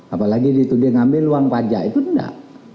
apalagi ditudih mengambil uang pajak itu tidak